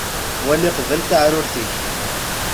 Wali qbel taɛrurt-ik.